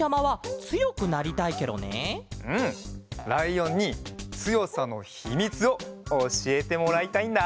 ライオンにつよさのひみつをおしえてもらいたいんだ。